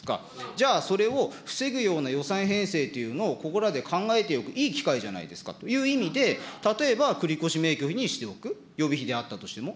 じゃあそれを防ぐような予算編成というのをここらで考えておくいい機会じゃないですかという意味で、例えば、繰り越しめいきょひにしておく、予備費であったとしても。